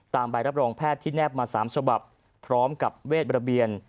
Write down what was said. ใบรับรองแพทย์ที่แนบมา๓ฉบับพร้อมกับเวทระเบียน